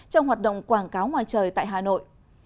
trong hoạt động quảng cáo ngoài trời tại hà nội